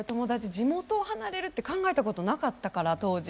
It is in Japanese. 地元を離れるって考えたことなかったから当時。